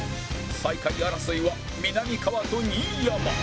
最下位争いはみなみかわと新山